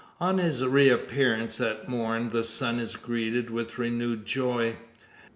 On his reappearance at morn the sun is greeted with renewed joy.